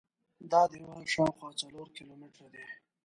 دا دیوال شاوخوا څلور کیلومتره دی.